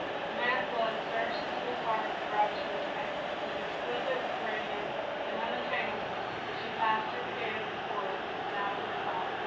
The man's blood surged into his heart with rapturous pain, as, exquisite, radiant, and unattainable, she passed through the gate of the Fort and out of his sight.